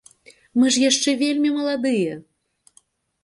Мы ж яшчэ вельмі маладыя!